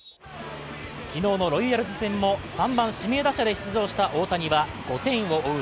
昨日のロイヤルズ戦も３番・指名打者で出場した大谷は、５点を追う